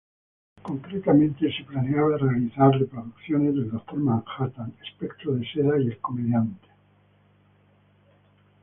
Concretamente, se planeaba realizar reproducciones del Dr. Manhattan, Espectro de Seda y el Comediante.